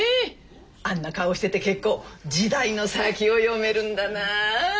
あんな顔してて結構時代の先を読めるんだなあ。